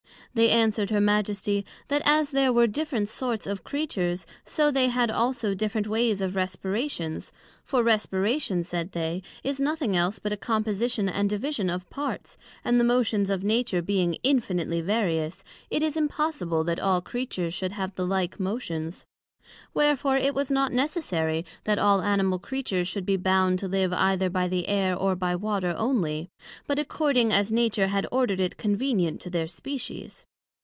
They answered her Majesty, That as there were different sorts of Creatures, so they had also different ways of Respirations; for Respiration, said they, is nothing else but a composition and division of parts, and the motions of nature being infinitely various, it is impossible that all Creatures should have the like motions; wherefore it was not necessary, that all Animal Creatures should be bound to live either by the Air, or by Water onely, but according as Nature had ordered it convenient to their Species.